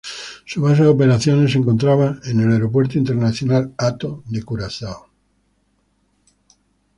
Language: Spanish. Su base de operaciones se encontraba en el Aeropuerto Internacional Hato de Curazao.